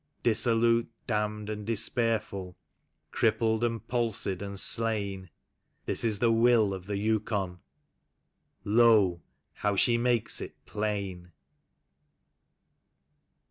Dissolute, damned and despairful, crippled and palsied and slain. This is the Will of the Yiikon, — Lo! how she makes it plain!